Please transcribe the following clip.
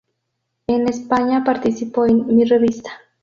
En España participó en "Mi Revista.